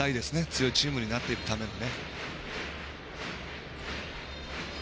強いチームになっていくための。